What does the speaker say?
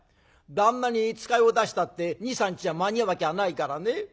旦那に使いを出したって２３日じゃ間に合うわけはないからね。